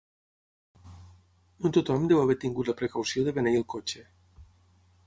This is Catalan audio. No tothom deu haver tingut la precaució de beneir el cotxe.